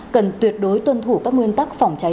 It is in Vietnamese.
cần tuyệt đối tuân thủ các nguyên tắc phòng cháy